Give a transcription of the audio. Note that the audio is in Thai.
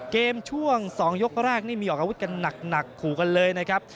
เกมช่วง๒ยกแรกนี่มีออกอาวุธกันหนักขู่กันเลยนะครับ